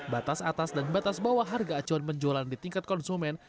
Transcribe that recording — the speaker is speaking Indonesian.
batas atas dan batas bawah harga acuan penjualan di tingkat konsumen